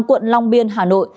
quận long biên hà nội